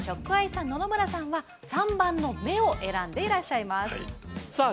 ＳＨＯＣＫＥＹＥさん野々村さんは３番の「目」を選んでいらっしゃいますさあ